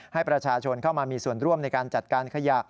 ให้ประชาชนเข้ามามีส่วนร่วมในการจัดการขยะ